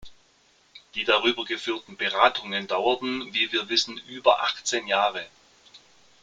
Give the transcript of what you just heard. Die darüber geführten Beratungen dauerten, wie wir wissen, über achtzehn Jahre.